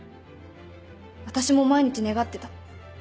私も毎日願ってた。